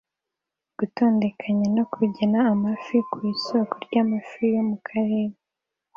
Gutondekanya no kugena amafi ku isoko ryamafi yo mu kirere